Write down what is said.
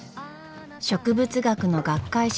植物学の学会誌